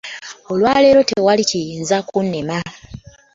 Olwaleero tewali kiyinza kunnema.